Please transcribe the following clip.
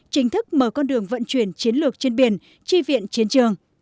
chính thức mở con đường vận chuyển chiến lược trên biển chi viện chiến trường